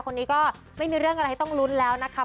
คนนี้ก็ไม่มีเรื่องอะไรต้องลุ้นแล้วนะคะ